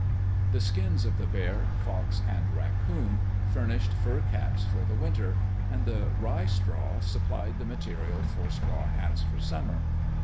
The skins of the bear, fox, and racoon furnished fur caps for the winter; and the rye straw supplied the material for straw hats for summer.